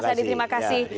bang taslim terima kasih